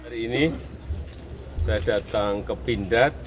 hari ini saya datang ke pindad